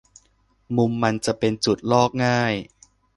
มุมมันจะเป็นจุดลอกง่าย